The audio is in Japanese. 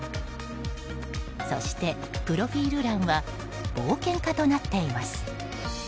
そしてプロフィール欄は冒険家となっています。